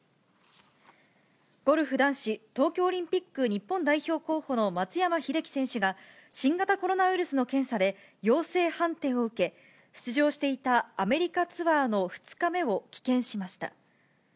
ゴルフ男子、東京オリンピック日本代表候補の松山英樹選手が、新型コロナウイルスの検査で陽性判定を受け、出場していたアメリカツアーの２日目を棄権しました。